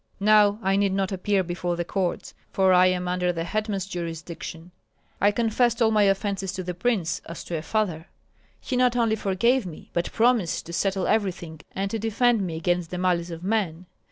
Now I need not appear before the courts, for I am under the hetman's jurisdiction. I confessed all my offences to the prince, as to a father; he not only forgave me, but promised to settle everything and to defend me against the malice of men.